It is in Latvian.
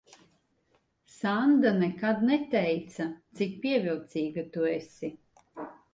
Sanda nekad neteica, cik pievilcīga tu esi.